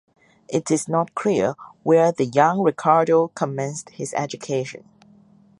It is not clear where the young Ricardo commenced his education.